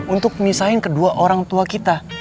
untuk memisahin kedua orang tua kita